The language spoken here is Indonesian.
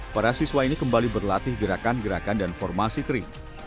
para siswa ini kembali berlatih gerakan gerakan dan formasi kering